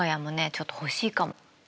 ちょっと欲しいかも。